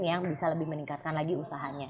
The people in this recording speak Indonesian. yang bisa lebih meningkatkan lagi usahanya